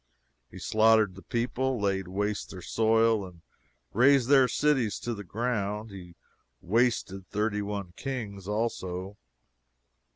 He slaughtered the people, laid waste their soil, and razed their cities to the ground. He wasted thirty one kings also.